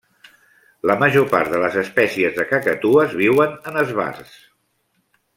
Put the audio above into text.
La major part de les espècies de cacatues viuen en esbarts.